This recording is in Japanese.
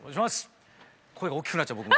声が大きくなっちゃう僕も。